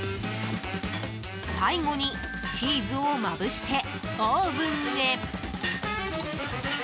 最後に、チーズをまぶしてオーブンへ。